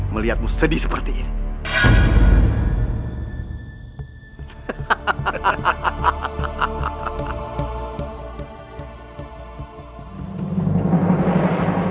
melihatmu sedih seperti ini